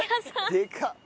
でかっ！